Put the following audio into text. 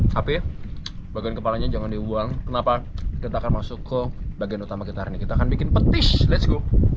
tapi bagian kepalanya jangan dibuang kenapa kita akan masuk ke bagian utama kita hari ini kita akan bikin petis ⁇ lets ⁇ go